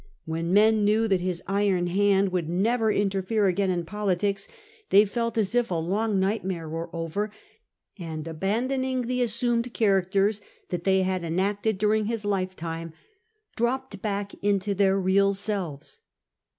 When men knew that his iron hand would never interfere again in politics, they felt as if a long nightmare was over, and abandoning the assumed characters that they had enacted during his lifetime, dropped back into their real selves.